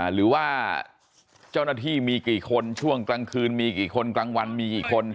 หรือว่าเจ้าหน้าที่มีกี่คนช่วงกลางคืนมีกี่คนกลางวันมีกี่คน